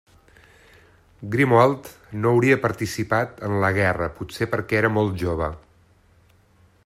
Grimoald no hauria participat en la guerra potser perquè era molt jove.